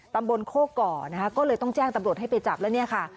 ตำบลโคก่อนะคะก็เลยต้องแจ้งตำรวจให้ไปจับแล้วเนี่ยค่ะ